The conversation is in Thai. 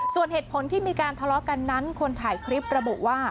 ส่วนเหตุผลที่มีการทะเลาะกันนั้นคนถ่ายคลิประบุว่า